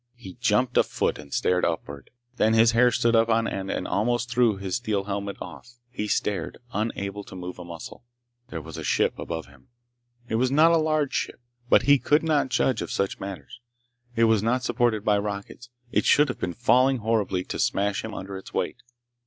He jumped a foot and stared upward. Then his hair stood up on end and almost threw his steel helmet off. He stared, unable to move a muscle. There was a ship above him. It was not a large ship, but he could not judge of such matters. It was not supported by rockets. It should have been falling horribly to smash him under its weight.